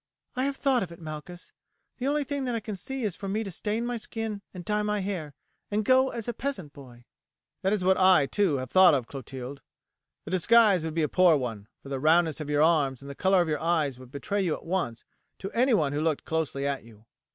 "I have thought of it, Malchus; the only thing that I can see is for me to stain my skin and dye my hair and go as a peasant boy." "That is what I, too, have thought of, Clotilde. The disguise would be a poor one, for the roundness of your arms and the colour of your eyes would betray you at once to any one who looked closely at you.